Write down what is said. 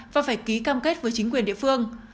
và phải ký cam kết với chính quyền địa phương